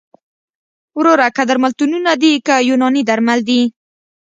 وروره که درملتونونه دي که یوناني درمل دي